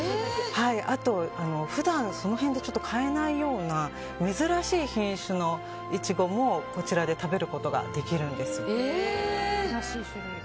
あと普段その辺で買えないような珍しい品種のイチゴもこちらで食べることができるんです。